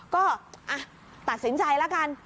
ก็ถัดสินใจละกัน